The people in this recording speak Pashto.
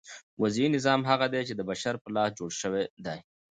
وضعي نظام هغه دئ، چي د بشر په لاس جوړ سوی دئ.